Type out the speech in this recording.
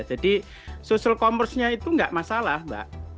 jadi social commerce nya itu gak masalah mbak